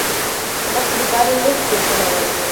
لښتې د کارونو لست جوړ کړی و.